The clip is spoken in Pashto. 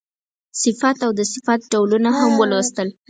صفت او د صفت ډولونه هم ولوستل.